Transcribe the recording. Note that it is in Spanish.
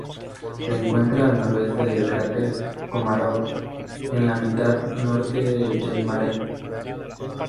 Se encuentra al noroeste del cráter Komarov, en la mitad norte del mare.